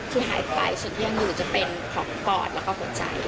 คือหายไปส่วนเที่ยงอยู่จะเป็นของปอดแล้วก็หัวใจ